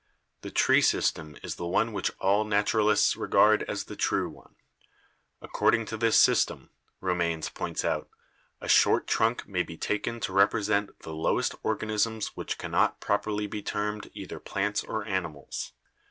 The tree system is the one which all naturalists regard as the true one. "Ac cording to this system," Romanes points out, "a short trunk may be taken to represent the lowest organisms which cannot properly be termed either plants or animals.